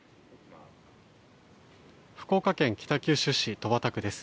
福岡県北九州市戸畑区です。